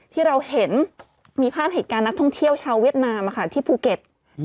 ที่เราเห็นมีภาพเหตุการณ์นักท่องเที่ยวชาวเวียดนามที่ภูเก็ต